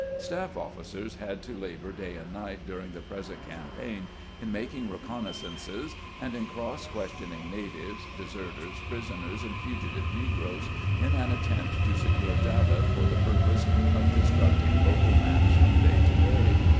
Staff officers had to labor day and night during the present campaign in making reconnaissances and in cross questioning natives, deserters, prisoners, and fugi 122 CAMPAIGNING WITH GBANT tive negroes, in an attempt to secure data for the pur pose of constructing local maps from day to day.